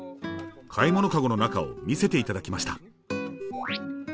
買い物カゴの中を見せていただきました。